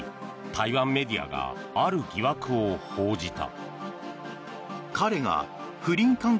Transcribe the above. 台湾メディアがある疑惑を報じた。